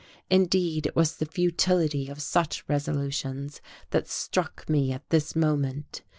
Indeed, it was the futility of such resolutions that struck me at this moment.